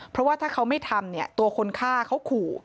เพราะว่าถ้าเขาไม่ทำเนี่ยตัวคนฆ่าเขาขู่